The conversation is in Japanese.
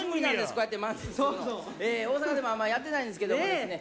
こうやって漫才するの大阪でもあんまやってないんですけどもですね